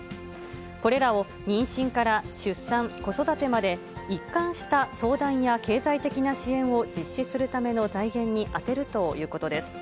これらを妊娠から出産、子育てまで一貫した相談や経済的な支援を実施するための財源に充てるということです。